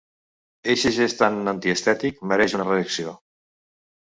Eixe gest tan antiestètic mereix una reacció.